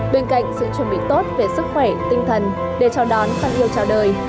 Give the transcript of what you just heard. bên cạnh sự chuẩn bị tốt về sức khỏe tinh thần để chào đón con yêu chào đời